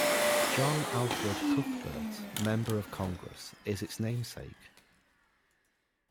John Alfred Cuthbert, member of Congress, is its namesake.